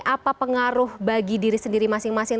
apa pengaruh bagi diri sendiri masing masing